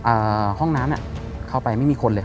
เอ่อห้องน้ำเนี่ยเข้าไปไม่มีคนเลย